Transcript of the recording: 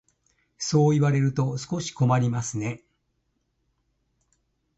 そう言われると少し困りますね。